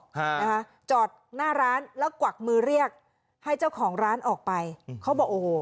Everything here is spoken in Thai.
ฮะนะคะจอดหน้าร้านแล้วกวักมือเรียกให้เจ้าของร้านออกไปเขาบอกโอ้โห